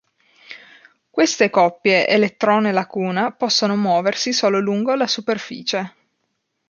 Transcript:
Queste coppie elettrone-lacuna possono muoversi solo lungo la superficie.